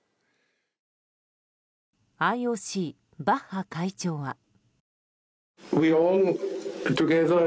ＩＯＣ、バッハ会長は。